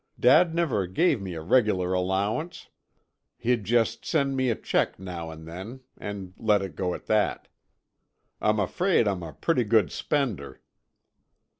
Dad never gave me a regular allowance; he'd just send me a check now and then, and let it go at that. I'm afraid I'm a pretty good spender."